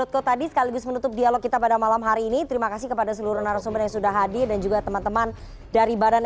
co tadi sekaligus menutup dialog kita pada malam hari ini terima kasih kepada seluruh narasumber